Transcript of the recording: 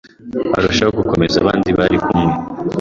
arushaho gukomeza abanda bari kumwe